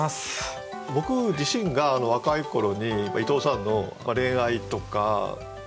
僕自身が若い頃に伊藤さんの恋愛とか出産の詩を読んで。